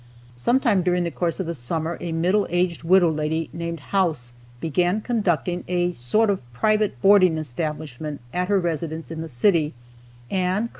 Sometime during the course of the summer a middle aged widow lady named House began conducting a sort of private boarding establishment at her residence in the city, and Col.